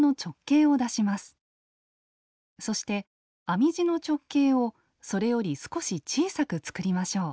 そして編み地の直径をそれより少し小さく作りましょう。